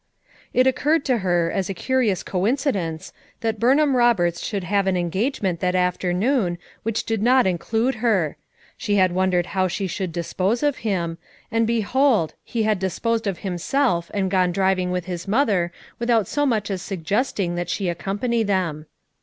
It occurred to her as a curious coincidence that Burnham Roberts should have an engage ment that afternoon which did not include her; she had wondered how she should dispose of him, and behold, he had disposed of himself and gone driving with his mother without so much as suggesting that she accompany them.